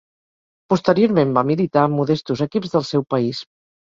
Posteriorment, va militar en modestos equips del seu país.